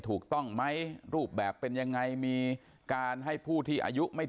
ตอนนี้กำลังจะโดดเนี่ยตอนนี้กำลังจะโดดเนี่ย